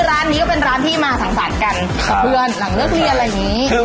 ร้านนี้เป็นร้านที่มาสังฝันกันกับเพื่อนหลังเลือกเรียนอะไรนี้